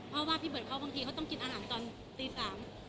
เพราะว่าพี่เบิร์ดเขาบางทีเขาต้องกินอาหารตอนตีสาม